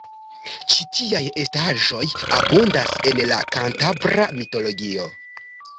Ĉi tiaj estaĵoj abundas en la kantabra mitologio.